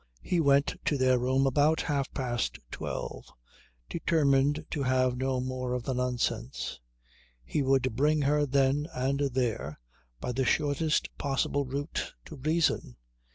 He went to their room about half past twelve determined to have no more of the nonsense. He would bring her then and there, by the shortest possible route, to reason.